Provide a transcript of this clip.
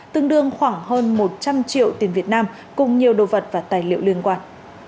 tương đương khoảng hơn một trăm linh triệu tiền việt nam cùng nhiều đồ vật và tài liệu liên quan